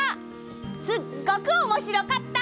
すっごくおもしろかった！